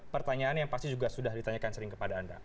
pertanyaan yang pasti juga sudah ditanyakan sering kepada anda